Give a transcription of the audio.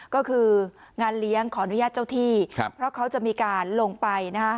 ก็คืองานเลี้ยงขออนุญาตเจ้าที่เพราะเขาจะมีการลงไปนะฮะ